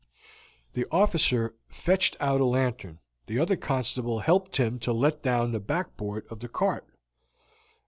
The officer fetched out a lantern. The other constable helped him to let down the backboard of the cart.